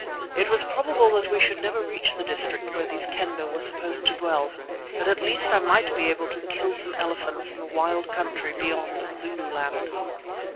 It was probable that we should never reach the district where these Kendah were supposed to dwell, but at least I might be able to kill some elephants in the wild country beyond Zululand.